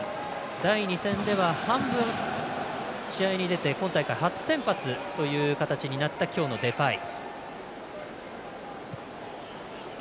第２戦では半分試合に出て今大会、初先発となった形になった、今日のデパイ。